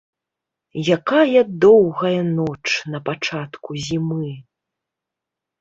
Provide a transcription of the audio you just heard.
Якая доўгая ноч на пачатку зімы!